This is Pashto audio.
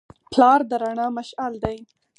پلار د رڼا مشعل دی.